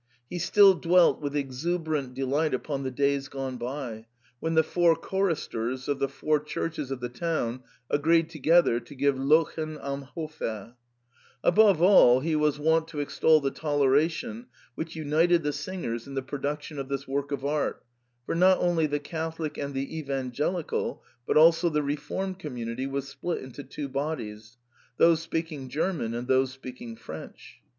He still dwelt with exuberant delight upon the days gone by, when the four choristers of the four churches of the town agreed together to give Lottchen am Hofe,^ Above all, he was wont to extol the tolera tion which united the singers in the production of this work of art, for not only the Catholic and the Evan gelical but also the Reformed community was split into two bodies — those speaking German and those speak ing French.